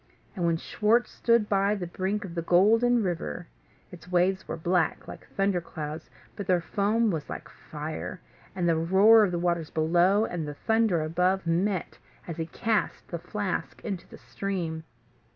And when Schwartz stood by the brink of the Golden River, its waves were black, like thunder clouds, but their foam was like fire; and the roar of the waters below, and the thunder above, met, as he cast the flask into the stream.